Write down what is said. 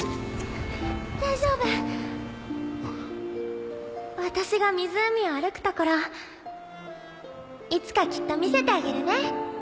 大丈夫私が湖を歩くところいつかきっと見せてあげるね